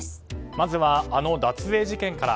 まずはあの脱税事件から。